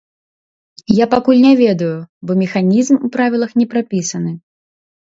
Я пакуль не ведаю, бо механізм у правілах не прапісаны.